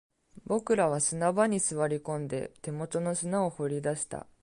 僕らは砂場に座り込んで、手元の砂を掘り出した